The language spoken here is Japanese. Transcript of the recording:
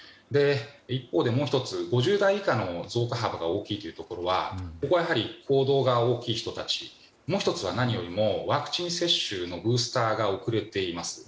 一方で、もう１つ５０代以下の増加幅が大きいというところはやはり行動が大きい人たちもう１つは、何よりもワクチン接種のブースターが遅れています。